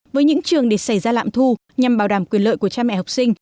với những trường để xảy ra lạm thu nhằm bảo đảm quyền lợi của cha mẹ học sinh